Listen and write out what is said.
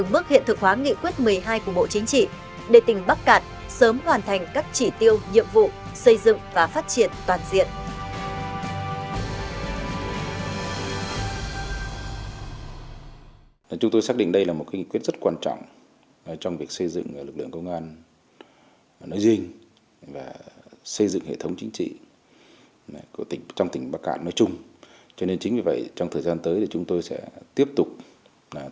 bộ công an bắc cạn sớm hoàn thành các trị tiêu nhiệm vụ xây dựng và phát triển toàn diện